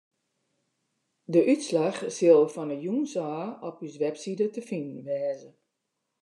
De útslach sil fan 'e jûns ôf op ús website te finen wêze.